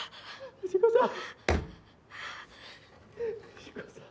藤子さん。